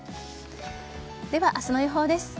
では明日の予報です。